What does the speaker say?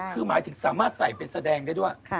คือหมายถึงสามารถใส่เป็นแสดงได้ด้วย